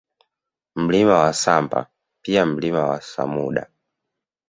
Mlima wa Samba pia Mlima wa Samuda